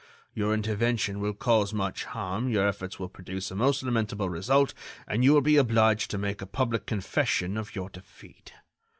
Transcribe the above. Your intervention will cause much harm; your efforts will produce a most lamentable result; and you will be obliged to make a public confession of your defeat.